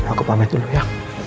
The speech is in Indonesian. aku pamit dulu ya